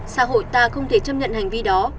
xã hội ta không thể chấp nhận hành vi đó